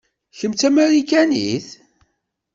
Kemm d tamarikanit?